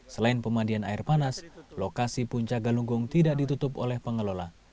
selain pemandian air panas lokasi puncak galunggung tidak ditutup oleh pengelola